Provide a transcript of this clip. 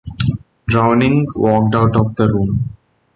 Downing walked out of the room.